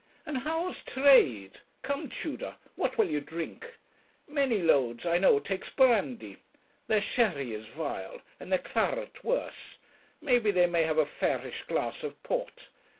'And how's trade? Come, Tudor, what will you drink? Manylodes, I know, takes brandy; their sherry is vile, and their claret worse; maybe they may have a fairish glass of port.